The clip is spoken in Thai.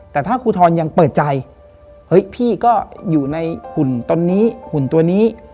แต่ถ้าครูทรยังเปิดใจเฮ้ยพี่ก็อยู่ในหุ่นตนนี้หุ่นตัวนี้